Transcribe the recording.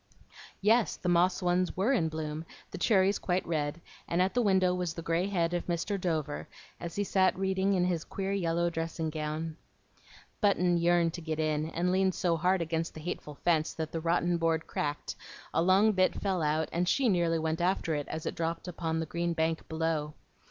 Yes, the "moss ones" were in bloom, the cherries quite red, and at the window was the gray head of Mr. Dover, as he sat reading in his queer yellow dressing gown. Button yearned to get in, and leaned so hard against the hateful fence that the rotten board cracked, a long bit fell out, and she nearly went after it, as it dropped upon the green bank below.